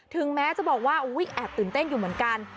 ถึงแม้จะบอกว่าแอบตื่นเต้นอยู่เหมือนกัน